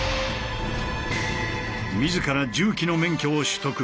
自ら重機の免許を取得。